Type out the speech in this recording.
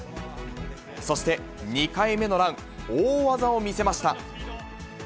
そして、２回目のラン、大技を見せました。